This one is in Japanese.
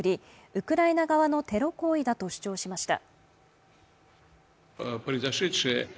ウクライナ側のテロ行為だと主張しました。